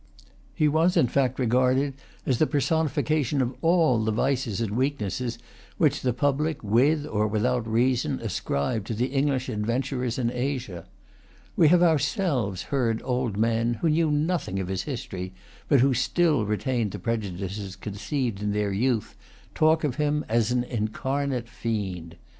He was, in fact, regarded as the personification of all the vices and weaknesses which the public, with or without reason, ascribed to the English adventurers in Asia. We have ourselves heard old men, who knew nothing of his history, but who still retained the prejudices conceived in their youth, talk of him as an incarnate fiend.